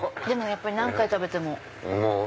やっぱり何回食べても。